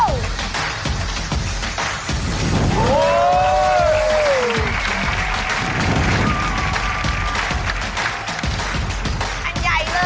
โอ้โฮโอเคโอเค